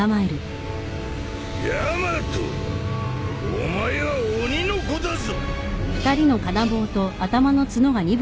お前は鬼の子だぞ！